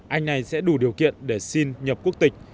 anh này sẽ đủ điều kiện để xin nhập quốc tịch